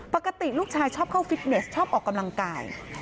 ปกติลูกชายชอบเข้าฟิตเนสชอบออกกำลังกาย